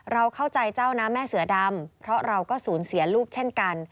เราเข้าใจเจ้านะแม่เสือดำเพราะเราก็สูญเสียลูกเช่นกัน